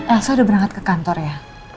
elsa udah berangkat ke kantor ya